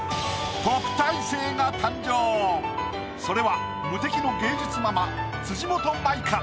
それは無敵の芸術ママ辻元舞か？